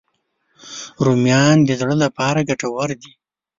رومیان د زړه لپاره ګټور دي